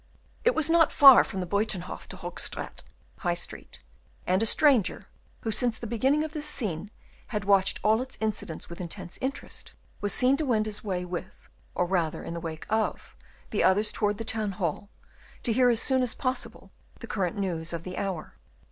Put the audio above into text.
It was not far from the Buytenhof to Hoogstraet (High Street); and a stranger, who since the beginning of this scene had watched all its incidents with intense interest, was seen to wend his way with, or rather in the wake of, the others towards the Town hall, to hear as soon as possible the current news of the hour.